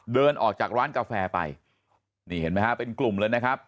เดินออกจากร้านกาแฟไปนี่เห็นไหมฮะเป็นกลุ่มเลยนะครับ